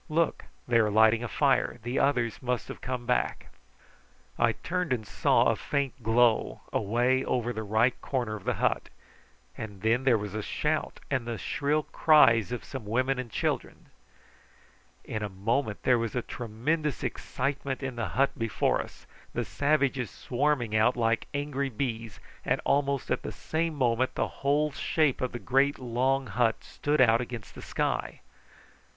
"Look! they are lighting a fire. The others must have come back." I turned and saw a faint glow away over the right corner of the hut; and then there was a shout, and the shrill cries of some women and children. In a moment there was a tremendous excitement in the hut before us, the savages swarming out like angry bees, and almost at the same moment the whole shape of the great long hut stood out against the sky.